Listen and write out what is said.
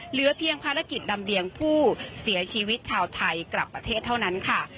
เหลือเพียงภารกิจลำเรียงผู้เสียชีวิตชาวไทยกลับประเทศเท่านั้นค่ะ